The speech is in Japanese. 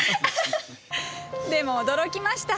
でも驚きました。